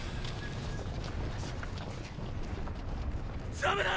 ダメだ！！